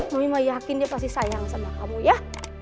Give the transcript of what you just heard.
mami meyakin dia pasti sayang sama kamu ya